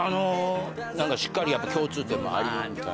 何かしっかり共通点もありみたいな。